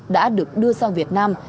đã được đưa sang việt nam